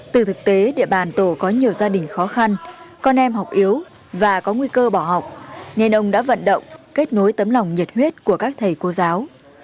từ thực tế địa bàn tổ có nhiều gia đình khó khăn con em học yếu và có nguy cơ bỏ học nên ông đã vận động kết nối tấm lòng nhiệt huyết của các thầy cô giáo